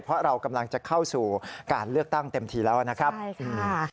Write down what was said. เพราะเรากำลังจะเข้าสู่การเลือกตั้งเต็มทีแล้วนะครับใช่ค่ะ